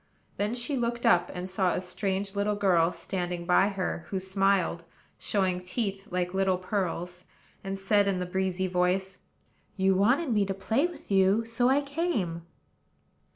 Then she looked up, and saw a strange little girl standing by her, who smiled, showing teeth like little pearls, and said, in the breezy voice: "You wanted me to play with you, so I came."